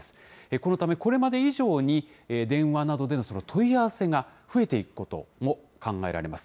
このため、これまで以上に、電話などでの問い合わせが増えていくことも考えられます。